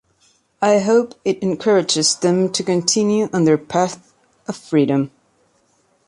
I hope it encourages them to continue on their path of freedom.